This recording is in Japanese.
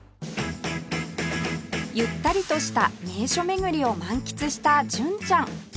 ゆったりとした名所巡りを満喫した純ちゃん